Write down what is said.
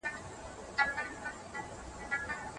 د محلي شاعرانو د ملاتړ پروګرامونه شتون لري.